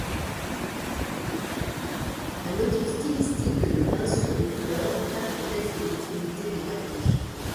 Un motif stylistique de rinceaux de fleurs encadre le texte et l'extrémité des cartouches.